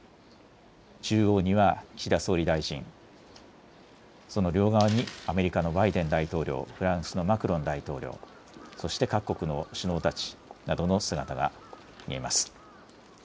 中央には岸田総理大臣、その両側にアメリカのバイデン大統領、フランスのマクロン大統領、そして各国の首脳たちなどの姿が見えます。